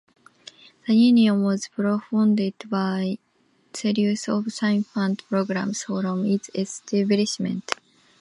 The union was confronted by a series of significant problems from its establishment.